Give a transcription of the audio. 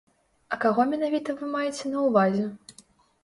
А каго менавіта вы маеце на ўвазе?